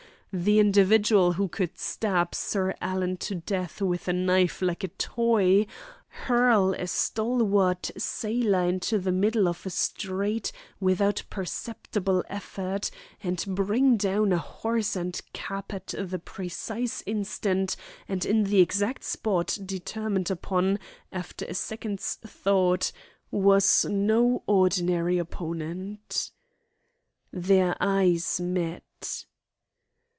The individual who could stab Sir Alan to death with a knife like a toy, hurl a stalwart sailor into the middle of a street without perceptible effort, and bring down a horse and cab at the precise instant and in the exact spot determined upon after a second's thought, was no ordinary opponent. Their eyes met.